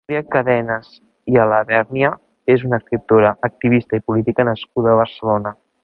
Núria Cadenes i Alabèrnia és una escriptora, activista i política nascuda a Barcelona.